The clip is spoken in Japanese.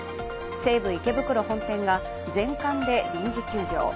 西武池袋本店が全館で臨時休業。